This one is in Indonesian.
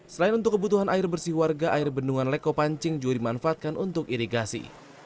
selain untuk kebutuhan air bersih warga air bendungan leko pancing juga dimanfaatkan untuk irigasi